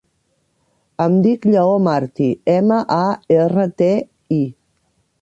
Em dic Lleó Marti: ema, a, erra, te, i.